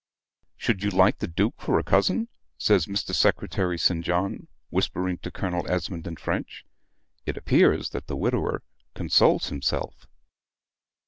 "Should you like the Duke for a cousin?" says Mr. Secretary St. John, whispering to Colonel Esmond in French; "it appears that the widower consoles himself."